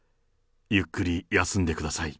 ゆっくり休んでください。